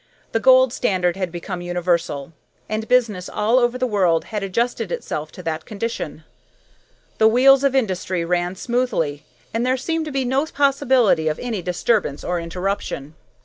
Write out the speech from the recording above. The gold standard had become universal, and business all over the earth had adjusted itself to that condition. The wheels of industry ran smoothly, and there seemed to be no possibility of any disturbance or interruption.